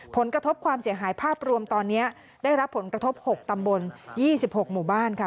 ผลกระทบความเสียหายภาพรวมตอนนี้ได้รับผลกระทบ๖ตำบล๒๖หมู่บ้านค่ะ